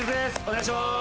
お願いします！